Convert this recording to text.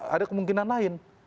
ada kemungkinan lain